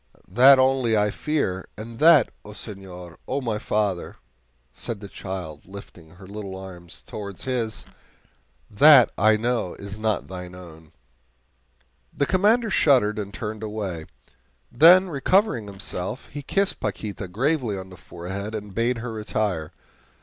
That only I fear and that, O senor, O my father," said the child, lifting her little arms towards his "that I know is not thine own!" The Commander shuddered and turned away. Then, recovering himself, he kissed Paquita gravely on the forehead and bade her retire.